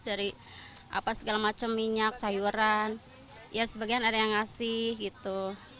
dari apa segala macam minyak sayuran ya sebagian ada yang ngasih gitu